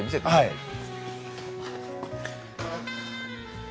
はい。